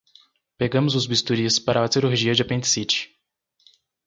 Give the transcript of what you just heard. Pegamos os bisturis para a cirurgia de apendicite